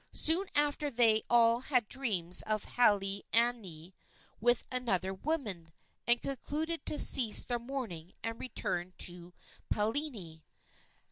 Soon after they all had dreams of Halaaniani with another woman, and concluded to cease their mourning and return to Paliuli.